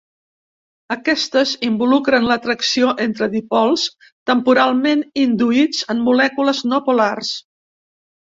Aquestes involucren l'atracció entre dipols temporalment induïts en molècules no polars.